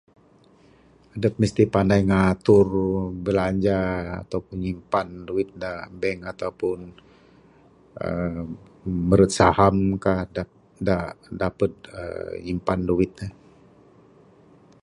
Adup mesti pandai ngatur bilanja atau pun nyimpan duit da bank, atau pun uhh merut saham kah, dak da dapat uhh nyimpan duit.